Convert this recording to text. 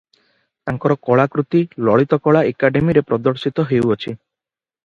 ତାଙ୍କର କଳାକୃତି ଲଳିତ କଳା ଏକାଡେମୀରେ ପ୍ରଦର୍ଶିତ ହେଉଛି ।